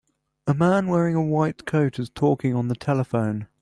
A man wearing a white coat is talking on the telephone.